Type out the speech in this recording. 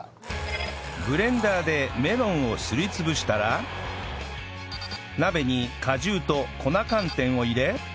ブレンダーでメロンをすり潰したら鍋に果汁と粉寒天を入れ